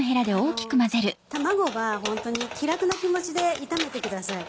卵はホントに気楽な気持ちで炒めてください。